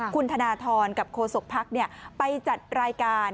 คุณธนทรกับโฆษกภักดิ์ไปจัดรายการ